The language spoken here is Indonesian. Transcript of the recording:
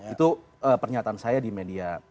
itu pernyataan saya di media